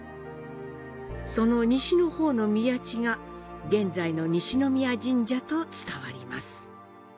その西の方の宮地が、現在の西宮神社と伝わります。